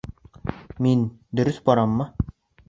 Мин... дөрөҫ бараммы?